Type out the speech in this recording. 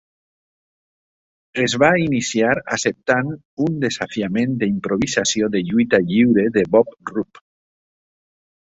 Es va iniciar acceptant un desafiament d'improvisació de lluita lliure de Bob Roop.